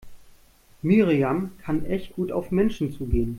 Miriam kann echt gut auf Menschen zugehen.